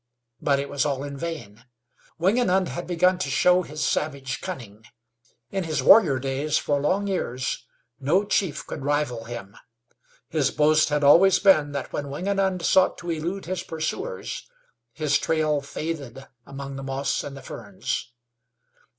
But it was all in vain. Wingenund had begun to show his savage cunning. In his warrior days for long years no chief could rival him. His boast had always been that, when Wingenund sought to elude his pursuers, his trail faded among the moss and the ferns.